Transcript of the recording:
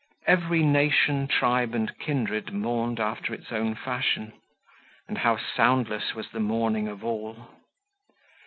Every nation, tribe, and kindred, mourned after its own fashion; and how soundless was the mourning of all!